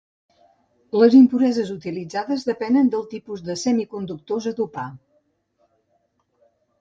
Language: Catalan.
Les impureses utilitzades depenen del tipus de semiconductors a dopar.